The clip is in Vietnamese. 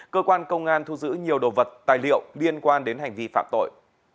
cơ quan công an thu giữ nhiều đồ vật tài liệu liên quan đến hành vi phạm tội